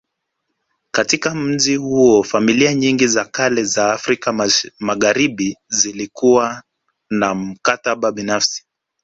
Katika mji huo familia nyingi za kale za Afrika Magharibi zilikuwa na maktaba binafsi